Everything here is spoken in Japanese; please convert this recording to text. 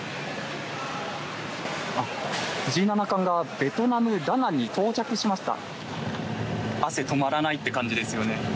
藤井七冠がベトナム・ダナンに到着しました。